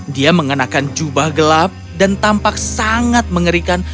dia mengenakan jubah gelap dan tampak sangat mengerikan